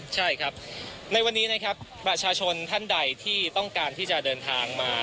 ใช่ครับในวันนี้นะครับประชาชนท่านใดที่ต้องการที่จะเดินทางมา